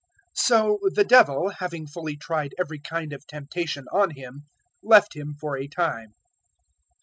'" 004:013 So the Devil, having fully tried every kind of temptation on Him, left Him for a time.